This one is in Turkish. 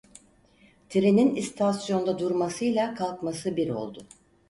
Trenin istasyonda durmasıyla kalkması bir oldu.